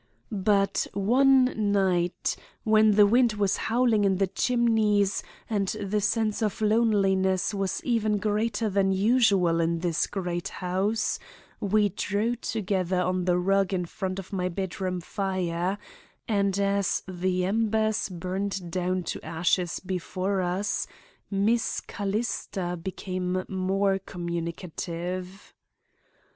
But one night when the wind was howling in the chimneys and the sense of loneliness was even greater than usual in the great house, we drew together on the rug in front of my bedroom fire, and, as the embers burned down to ashes before us, Miss Callista became more communicative.